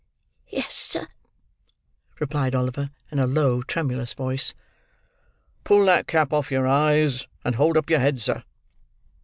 "Yes, sir," replied Oliver, in a low, tremulous voice. "Pull that cap off your eyes, and hold up your head, sir."